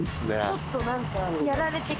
ちょっと何か。